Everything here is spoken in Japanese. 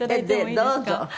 どうぞ。